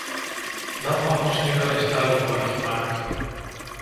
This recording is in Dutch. Dat mag ons nu eindelijk wel eens worden duidelijk gemaakt.